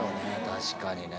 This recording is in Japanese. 確かにね。